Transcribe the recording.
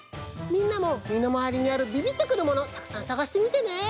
みんなもみのまわりにあるビビッとくるものたくさんさがしてみてね！